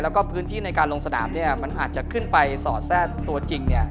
แล้วก็พื้นที่ในการลงสนามเนี่ยมันอาจจะขึ้นไปสอดแซ่ตัวจริงเนี่ย